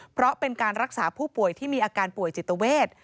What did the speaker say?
เพราะเป็นการรักษาผู้ป่วยที่มีอาการป่วยจิตเวท